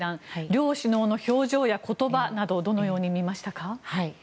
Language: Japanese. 両首脳の表情や言葉などをどのように見ましたか？